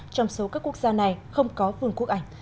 trong số các quốc gia này không có vườn quốc ảnh